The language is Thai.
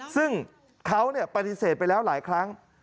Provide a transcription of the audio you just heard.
ซึ่งเขาปฏิเสธไปแล้วหลายครั้ง